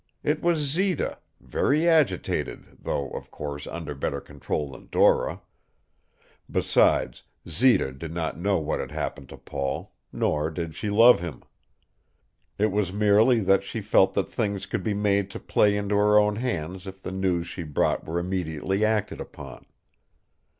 It was Zita, very agitated, though, of course, under better control than Dora. Besides, Zita did not know what had happened to Paul, nor did she love him. It was merely that she felt that things could be made to play into her own hands if the news she brought were immediately acted upon.